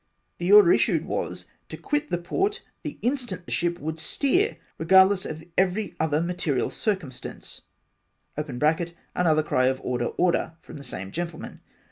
The order issued was, to quit the port the instant the ship would steer, regardless of every other ma terial circumstance. (Another cry of order, order, from the same gentlemen.